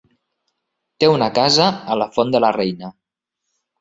Té una casa a la Font de la Reina.